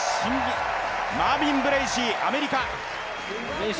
マービン・ブレーシー、アメリカ。